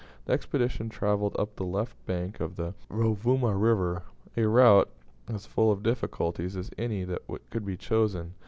The expedition travelled up the left bank of the Rovuma River, a route as full of difficulties as any that could be chosen.